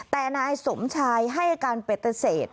แต่นายสมชายให้การปฏิเสธ